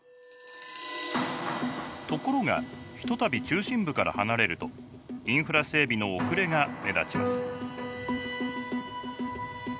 ところがひとたび中心部から離れるとインフラ整備の遅れが目立ちます。